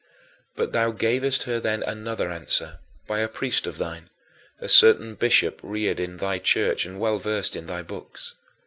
But thou gavest her then another answer, by a priest of thine, a certain bishop reared in thy Church and well versed in thy books.